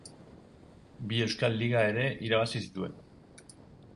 Bi Euskal Liga ere irabazi zituen.